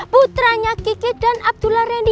putranya kiki dan abdullah reni